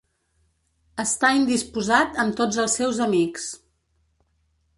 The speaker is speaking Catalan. Està indisposat amb tots els seus amics.